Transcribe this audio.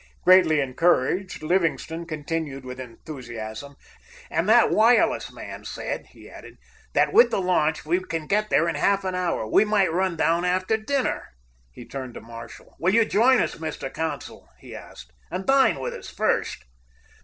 Greatly encouraged, Livingstone continued, with enthusiasm: "And that wireless man said," he added, "that with the launch we can get there in half an hour. We might run down after dinner." He turned to Marshall. "Will you join us, Mr. Consul?" he asked, "and dine with us, first?"